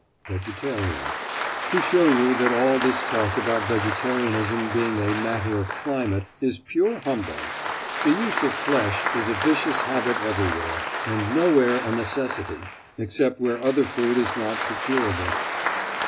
VEGETARIAN: To show you that all this talk about vegetarianism being "a matter of climate" is pure humbug. The use of flesh is a vicious habit everywhere, and nowhere a necessity, except where other food is not procurable.